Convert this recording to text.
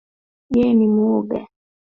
Yeye ni mwoga jinsi alikimbia